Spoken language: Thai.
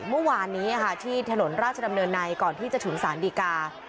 เมื่อวานนี้ที่ถนนราชดำเนินในก่อนที่จะถึงสารดีกา